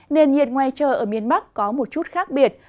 nền nhiệt ngoài trời ở miền bắc có một chút khác biệt